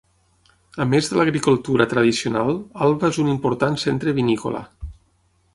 A més de l'agricultura tradicional, Alba és un important centre vinícola.